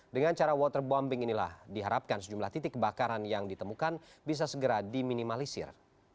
dengan cara waterbombing inilah diharapkan sejumlah titik kebakaran yang ditemukan bisa segera diminimalisir